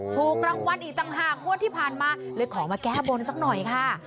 ถูกรางวัลอีกต่างหากงวดที่ผ่านมาเลยขอมาแก้บนสักหน่อยค่ะ